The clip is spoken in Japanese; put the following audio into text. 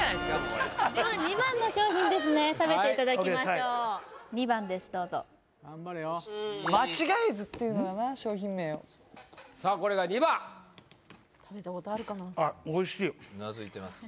これでは２番の商品ですね食べていただきましょう２番ですどうぞ頑張れよ間違えずっていうのがな商品名をさあこれが２番あっおいしいうなずいてます